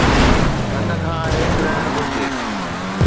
حد کان هيٺ رهڻ گهرجي